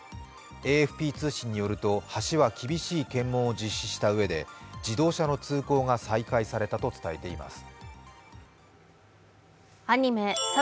ＡＦＰ通信によると橋は厳しい検問を実施したうえで自動車の通行が再開されたと伝えています。